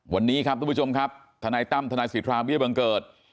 วันนี้ครับทุกผู้ชมครับทนายตั้มทนายสิทธาเบี้ยบังเกิด